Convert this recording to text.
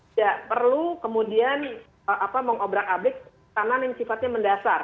tidak perlu kemudian mengobrak abrik tanaman yang sifatnya mendasar